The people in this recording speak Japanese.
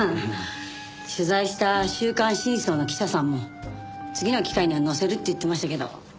取材した『週刊真相』の記者さんも次の機会には載せるって言ってましたけど。